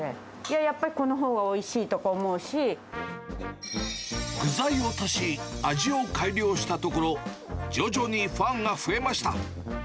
やっぱりこのほうがおいしいとか具材を足し、味を改良したところ、徐々にファンが増えました。